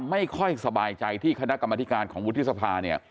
ไม่ค่อยสบายใจที่คณะกรรมธิการของวุฒิสภาเนี่ย